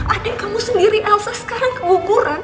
adik kamu sendiri elsa sekarang keguguran